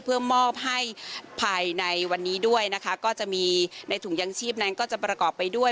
เพื่อมอบให้ภายในวันนี้ด้วยนะคะก็จะมีในถุงยังชีพนั้นก็จะประกอบไปด้วย